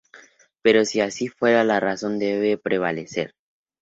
Pero si así fuera, la razón debe prevalecer.